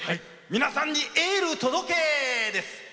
皆さんにエール届け！です。